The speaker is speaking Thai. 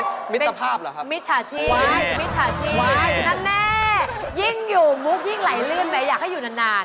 น้ำมะนาวจากแก้วตลาดนะคะ